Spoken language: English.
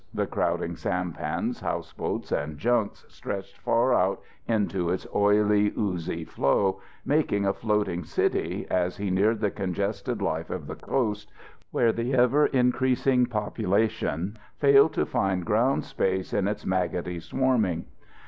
The crowding sampans, houseboats, and junks stretched far out into its oily, oozy flow, making a floating city as he neared the congested life of the coast, where the ever increasing population failed to find ground space in its maggoty swarming.